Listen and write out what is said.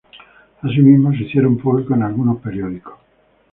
Asimismo se hicieron públicos en algunos periódicos.